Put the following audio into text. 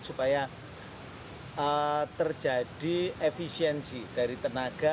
supaya terjadi efisiensi dari tenaga